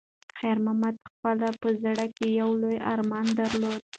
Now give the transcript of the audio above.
خیر محمد په خپل زړه کې یو لوی ارمان درلود.